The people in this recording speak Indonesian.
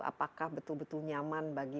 apakah betul betul nyaman bagi